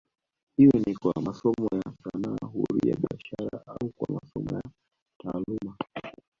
Iwe ni kwa masomo ya sanaa huria biashara au kwa masomo ya taaluma